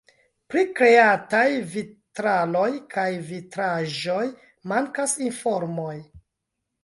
Pri kreataj vitraloj kaj vitraĵoj mankas informoj.